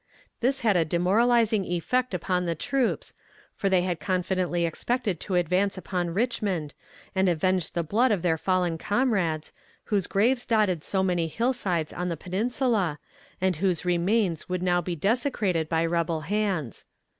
This had a demoralizing effect upon the troops, for they had confidently expected to advance upon Richmond and avenge the blood of their fallen comrades, whose graves dotted so many hillsides on the Peninsula, and whose remains would now be desecrated by rebel hands.